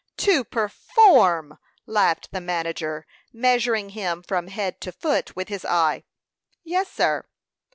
"To perform!" laughed the manager, measuring him from head to foot with his eye. "Yes, sir."